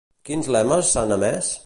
Quins lemes s'han emès?